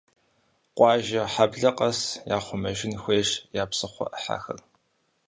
Къуажэ, хьэблэ къэс яхъумэжын хуейщ я псыхъуэ Ӏыхьэхэр.